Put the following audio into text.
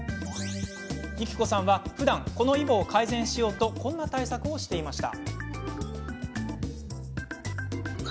ゆきこさんはふだん、このイボを改善しようとこんな対策をしていました。